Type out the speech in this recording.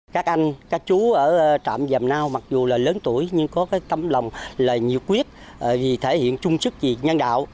các anh các chú ở trạm dầm nao mặc dù là lớn tuổi nhưng có tâm lòng là nhiều quyết vì thể hiện trung sức vì nhân đạo